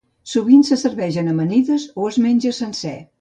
Sovint se serveix en amanides o es menja sencer.